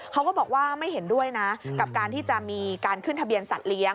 เขาก็บอกว่าไม่เห็นด้วยนะกับการที่จะมีการขึ้นทะเบียนสัตว์เลี้ย